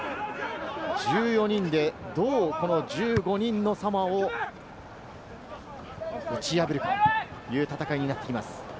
１４人で、どう１５人のサモアを打ち破るかという戦いになってきます。